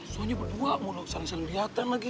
soalnya berdua malah saling saling liatan lagi